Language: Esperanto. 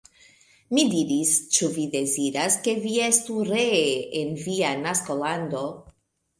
Mi diris, Ĉu vi deziras, ke vi estu ree en via naskolando?